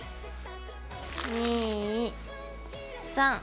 ２３。